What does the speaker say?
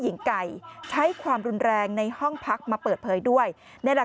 หญิงไก่ใช้ความรุนแรงในห้องพักมาเปิดเผยด้วยนี่แหละ